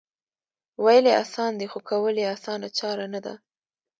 وېل یې اسان دي خو کول یې اسانه چاره نه ده